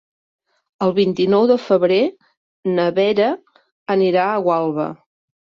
El vint-i-nou de febrer na Vera anirà a Gualba.